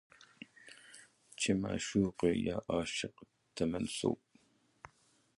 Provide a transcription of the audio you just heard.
چې معشوقې يا عاشق ته منسوب